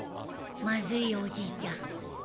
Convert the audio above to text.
まずいよおじいちゃん。